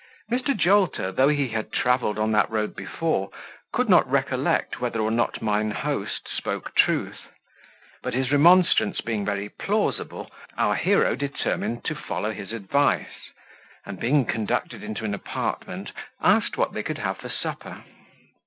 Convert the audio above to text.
Mr. Jolter, though he had travelled on that road before, could not recollect whether or not mine host spoke truth; but his remonstrance being very plausible, our hero determined to follow his advice, and being conducted into an apartment, asked what they could have for supper.